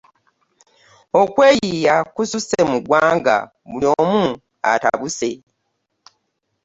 Okweyiiya kususse mu ggwanga buli omu atabuse.